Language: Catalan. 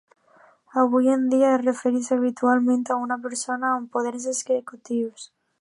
Avui en dia es refereix habitualment a una persona amb poders executius.